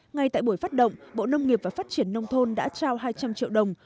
ngay tại buổi phát động bộ nông nghiệp và phát triển nông thôn đã trao hai trăm linh triệu đồng